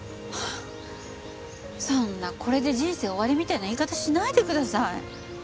そんなこれで人生終わりみたいな言い方しないでください。